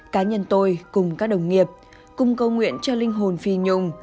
cá nhân tôi cùng các đồng nghiệp cung cầu nguyện cho linh hồn phi nhung